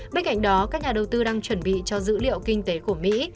bên cạnh đó các nhà đầu tư đang chuẩn bị cho dữ liệu kinh tế của mỹ